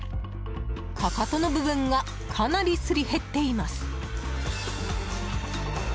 かかとの部分がかなりすり減っています。